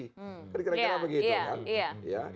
kira kira begitu kan